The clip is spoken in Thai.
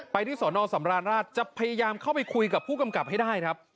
ที่สอนอสำราญราชจะพยายามเข้าไปคุยกับผู้กำกับให้ได้ครับ